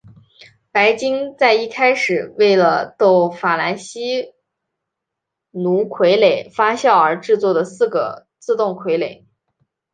白金在一开始为了逗法兰西奴傀儡发笑而制作的四个自动傀儡。